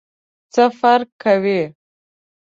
څه فرق کوي ؟